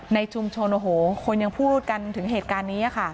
ในชุมชนโอ้โหคนยังพูดกันถึงเหตุการณ์นี้ค่ะ